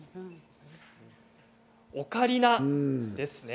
オカリナです。